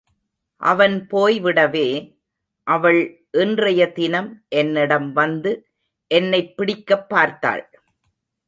அவன் போய்விடவே, அவள் இன்றைய தினம் என்னிடம் வந்து என்னைப் பிடிக்கப் பார்த்தாள்.